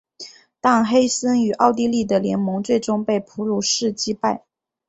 但黑森与奥地利的联盟最终被普鲁士击败。